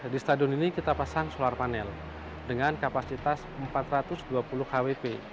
di stadion ini kita pasang solar panel dengan kapasitas empat ratus dua puluh kwp